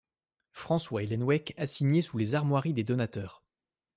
François Hillenweck a signé sous les armoiries des donateurs.